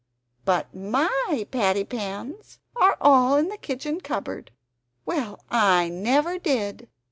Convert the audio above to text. ... But MY patty pans are all in the kitchen cupboard. Well I never did!